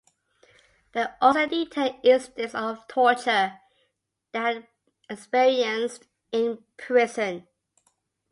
They also detailed incidents of torture they had experienced in prison.